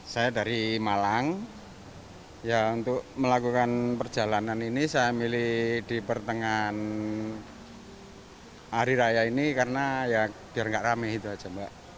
saya dari malang untuk melakukan perjalanan ini saya milih di pertengahan hari raya ini karena biar tidak rame